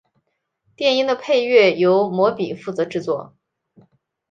电影的配乐由魔比负责制作。